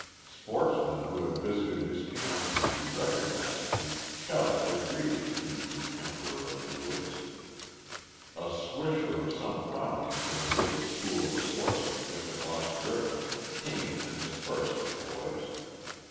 Sportsmen who had visited his camp and who recognized him shouted their greeting to the "Emperor of the Woods." A "swisher" of some prominence in the little school of sportsmanship at Lost River came and dispersed the boys.